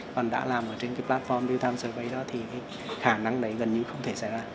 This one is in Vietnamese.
còn đã làm ở trên cái platform real time survey đó thì khả năng đấy gần như không thể xảy ra